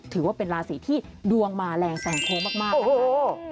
ถือว่าเป็นราศีที่ดวงมาแรงแสงโค้งมากนะคะ